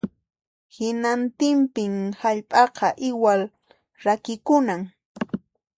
Hinantinpin hallp'aqa iwal rakikunan